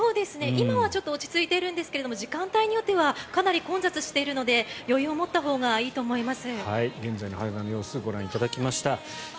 今はちょっと落ち着いているんですが時間帯によってはかなり混雑しているので余裕を持ったほうがいいと思います。